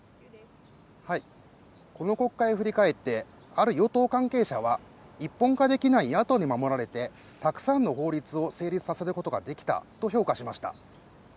この国会を振り返ってある与党関係者は一本化できない野党に守られてたくさんの法律を成立させることができたと評価しました。